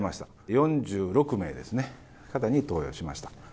４６名の方に投与しました。